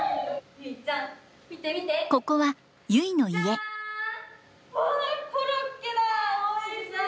ここはゆいの家。わコロッケだおいしそう。